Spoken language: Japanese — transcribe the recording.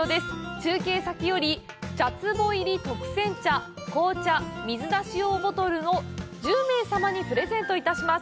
中継先より、茶つぼ入り特選茶、紅茶、水出し用ボトルを１０名様にプレゼントいたします。